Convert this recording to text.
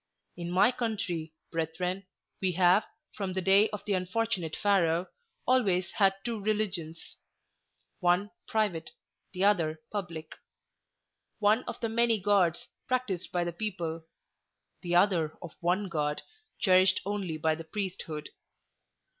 In my country, brethren, we have, from the day of the unfortunate Pharaoh, always had two religions—one private, the other public; one of many gods, practised by the people; the other of one God, cherished only by the priesthood.